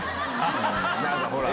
何かほら。